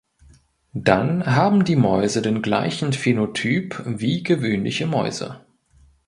Dann haben die Mäuse den gleichen Phänotyp wie gewöhnliche Mäuse.